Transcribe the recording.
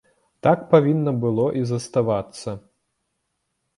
Так павінна было і заставацца.